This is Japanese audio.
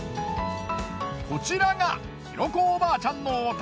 こちらが大子おばあちゃんのお宅。